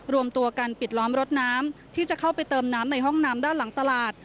รวมตัวกันปิดล้อมรถน้ำที่จะเข้าไปเติมน้ำในห้องน้ำด้านหลังตลาด